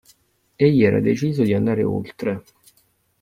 Egli era deciso di andar oltre.